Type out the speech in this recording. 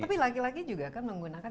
tapi laki laki juga kan menggunakan